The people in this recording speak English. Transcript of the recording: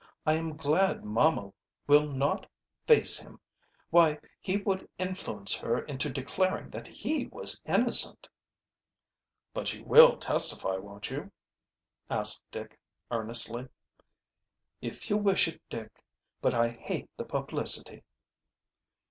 "I am glad mamma mill not face him. Why, he would influence her into declaring that he was innocent!" "But you will testify, won't you?" asked Dick earnestly. "If you wish it, Dick. But I hate the publicity."